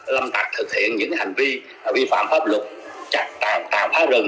lâm tạc thực hiện những hành vi vi phạm pháp luật chặt phá rừng